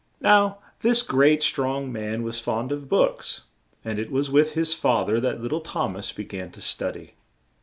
Now, this great, strong man was fond of books, and it was with his fa ther that lit tle Thom as be gan to stu dy.